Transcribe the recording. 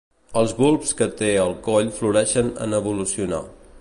Els bulbs que té al coll floreixen en evolucionar.